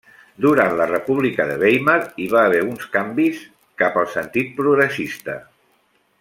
Duran la República de Weimar, hi va haver uns canvis cap al sentit progressista.